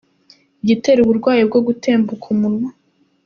Igitera uburwayi bwo gutemuka umunwa